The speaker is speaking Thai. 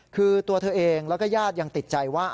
คือตัวเธอเองแล้วก็ญาติยังติดใจว่า